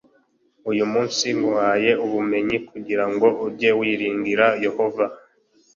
Uyu munsi nguhaye ubumenyi kugira ngo ujye wiringira Yehova